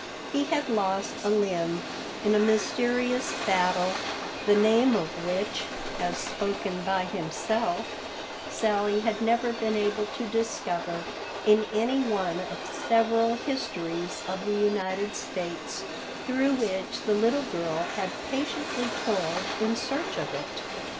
He had lost a limb in a mysterious battle, the name of which, as spoken by himself, Sally had never been able to discover in any one of several histories of the United States through which the little girl had patiently toiled in search of it.